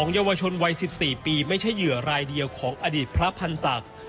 เยาวชนวัย๑๔ปีไม่ใช่เหยื่อรายเดียวของอดีตพระพันธ์ศักดิ์